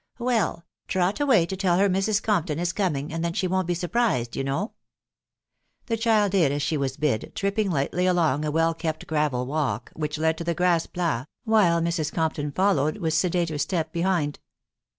" Well !.... trot away to tell her Mrs. Compton is coming, and then she wo'n't be surprised, yon lamm" The child did as she was bid, tripping lightly along a well kept gravel walk which led to the grass plat, while Mrs. Compton followed with sedater step behind.